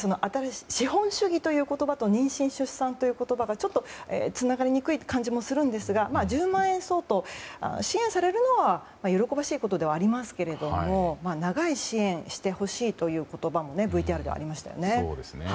資本主義という言葉と妊娠・出産という言葉がちょっとつながりにくい感じもしますが１０万円相当を支援されるのは喜ばしいことではありますけれども長い支援をしてほしいという言葉もＶＴＲではありましたよね。